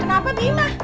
ada apa bima